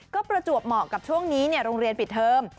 ก็ประจวบเหมาะกับช่วงนี้โรงเรียนปิดเทอม